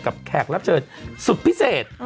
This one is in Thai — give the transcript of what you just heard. กับแขกรับเชิญสุดพิเศษนะฮะ